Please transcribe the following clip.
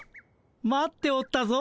待っておったぞ。